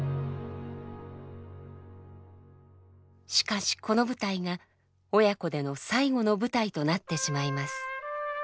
しかしこの舞台が親子での最後の舞台となってしまいます。